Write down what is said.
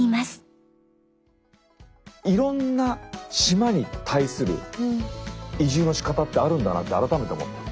いろんな島に対する移住のしかたってあるんだなって改めて思った。